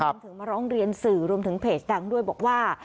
ถึงมาร้องเรียนสื่อรวมถึงเพจดังด้วยบอกว่า